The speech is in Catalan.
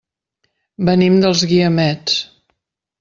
Venim dels Guiamets.